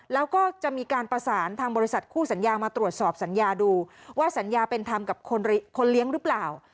แล้วก็จะมีการประสานทางบริษัทคู่สัญญามาตรวจสอบสัญญาดูว่าสัญญาเป็นธรรมกับคนเลี้ยงหรือเปล่า